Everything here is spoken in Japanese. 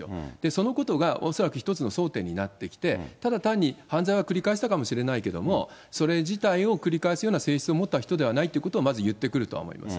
そのことが恐らく一つの争点になってきて、ただ単に犯罪は繰り返したかもしれないけども、それ自体を繰り返すような性質を持った人ではないということをまず言ってくるとは思います。